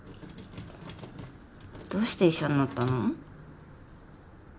どうして医者になったの？